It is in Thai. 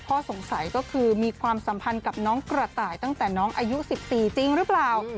ข้อสงสัยก็คือมีความสัมพันธ์กับน้องกระต่ายตั้งแต่น้องอายุ๑๔จริงหรือเปล่า